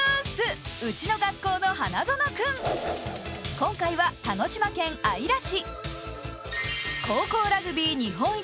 今回は鹿児島県姶良市。